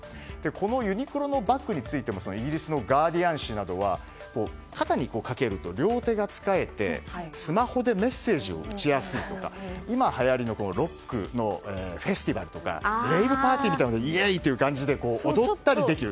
このユニクロのバッグについてもイギリスのガーディアン紙などは肩にかけると両手が使えてスマホでメッセージを打ちやすいとか、今はやりのロックのフェスティバルとかライブパーティーとかイェイ！という感じで踊ったりできる。